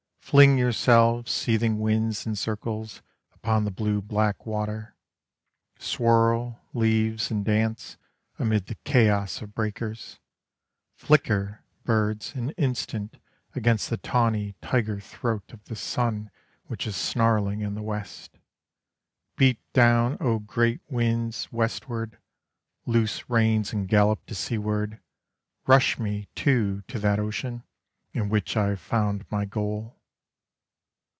Fling yourselves, seething winds, in circles Upon the blue black water, Swirl, leaves, and dance Amid the chaos of breakers, Flicker, birds, an instant Against the tawny tiger throat of the sun Which is snarling in the west. Beat down, O great winds, westward, Loose reins and gallop to seaward, Rush me, too, to that ocean, In which I have found my goal.